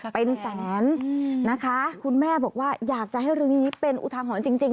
เป็นแสนนะคะคุณแม่บอกว่าอยากจะให้เรื่องนี้เป็นอุทาหรณ์จริง